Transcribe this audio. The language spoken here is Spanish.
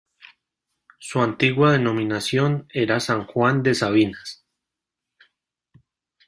Su antigua denominación era San Juan de Sabinas.